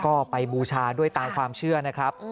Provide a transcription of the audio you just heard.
ก็ไปบูชาด้วยตามความเชื่อนะครับ